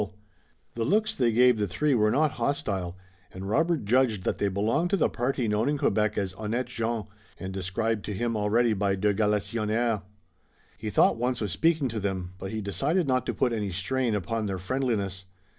The looks they gave the three were not hostile, and Robert judged that they belonged to the party known in Quebec as honnêtes gens and described to him already by de Galisonnière. He thought once of speaking to them, but he decided not to put any strain upon their friendliness.